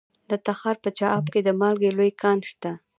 د تخار په چاه اب کې د مالګې لوی کان دی.